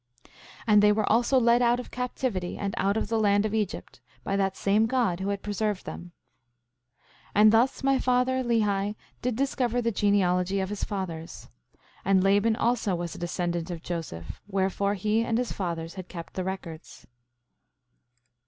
5:15 And they were also led out of captivity and out of the land of Egypt, by that same God who had preserved them. 5:16 And thus my father, Lehi, did discover the genealogy of his fathers. And Laban also was a descendant of Joseph, wherefore he and his fathers had kept the records.